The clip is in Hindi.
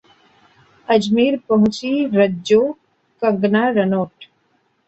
अजमेर पहुंची 'रज्जो' कंगना रनोट